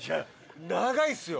長いっすよ。